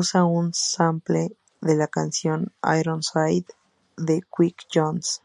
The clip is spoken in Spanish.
Usa un sample de la canción "Ironside" de Quincy Jones.